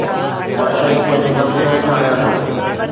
مان شيون پنهنجي قبضي هيٺ آڻيان ٿو